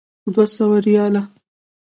دوه سوه ریاله.